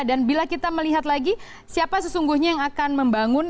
dan bila kita melihat lagi siapa sesungguhnya yang akan membangun